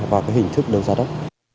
và cái hình thức đầu giá đất